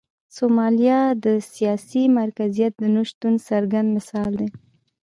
سومالیا د سیاسي مرکزیت د نشتون څرګند مثال دی.